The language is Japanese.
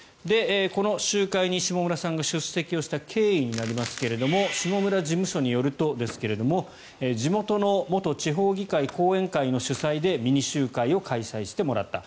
この集会に下村さんが出席した経緯になりますが下村事務所によるとですが地元の元地方議員後援会集会でミニ集会を開催してもらった。